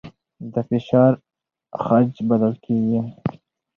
دا فشار خج بلل کېږي.